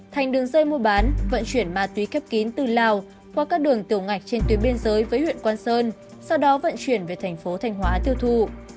thành đường dây mua bán vận chuyển ma túy kép kín từ lào qua các đường tiểu ngạch trên tuyến biên giới với huyện quang sơn sau đó vận chuyển về thành phố thanh hóa tiêu thụ